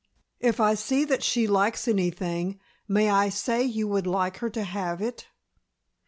If I see that she likes anything may I say you would like her to have it?"